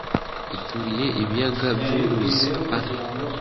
bituriye ibiyaga by uruzi R